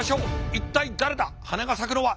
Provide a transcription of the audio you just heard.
一体誰だ花が咲くのは。